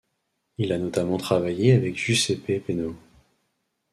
Il a notamment travaillé avec Giuseppe Peano.